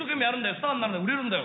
スターになれば売れるんだよ。